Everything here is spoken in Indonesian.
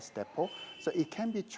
jadi bisa dijalurkan dengan baik